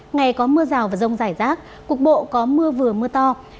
ngày có mưa rào và rông giải rác cuộc bộ có mưa vừa mưa to